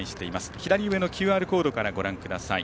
左上のＱＲコードからご覧ください。